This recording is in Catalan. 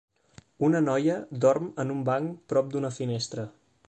Una noia dorm en un banc prop d'una finestra.